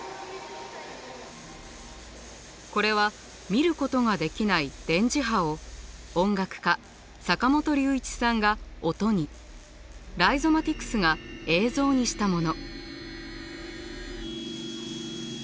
これは見ることができない電磁波を音楽家坂本龍一さんが音にライゾマティクスが映像にしたもの。